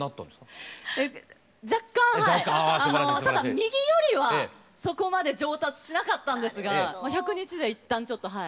右よりはそこまで上達しなかったんですが１００日でいったんちょっとはい。